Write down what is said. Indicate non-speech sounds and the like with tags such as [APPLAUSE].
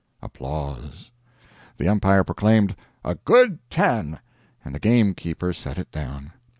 [APPLAUSE] The umpire proclaimed "a good 10," and the game keeper set it down.